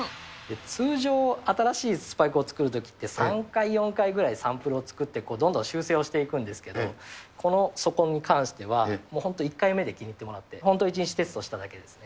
通常、新しいスパイクを作るときって、３回、４回ぐらいサンプルを作って、どんどん修正をしていくんですけど、この底に関しては、もう本当、１回目で気に入ってもらって、本当１日テストしただけですね。